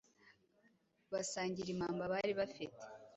basangira impamba bari bafite